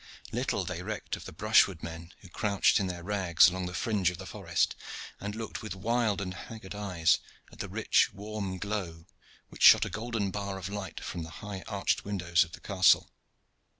Little they recked of the brushwood men who crouched in their rags along the fringe of the forest and looked with wild and haggard eyes at the rich, warm glow which shot a golden bar of light from the high arched windows of the castle.